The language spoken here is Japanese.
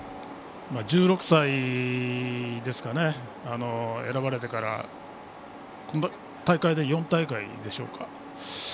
１６歳で選ばれてからこの大会で４大会でしょうか。